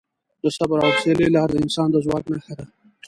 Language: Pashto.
د صبر او حوصلې لار د انسان د ځواک نښه ده.